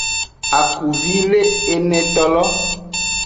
Akuvi le enetolo.